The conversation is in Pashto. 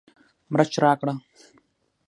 مرچ راکړه